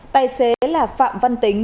tài xế là phạm văn tính